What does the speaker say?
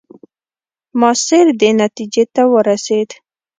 ماسیر دې نتیجې ته ورسېد.